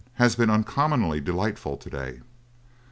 'has been uncommonly delightful to day.'